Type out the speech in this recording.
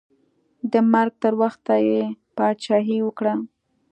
د مرګ تر وخته یې پاچاهي وکړه.